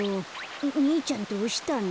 にいちゃんどうしたの？